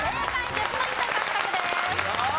１０ポイント獲得です。